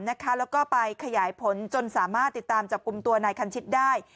แล้วก็ไปขยายผลจนสามารถติดตามจับกลุ่มตัวนายคันชิดได้